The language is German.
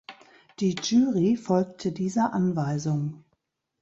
Die Jury folgte dieser Anweisung.